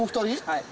はい。